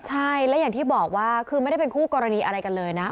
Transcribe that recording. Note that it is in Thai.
ใช่และอย่างที่บอกว่าคือไม่ได้เป็นคู่กรณีอะไรกันเลยนะ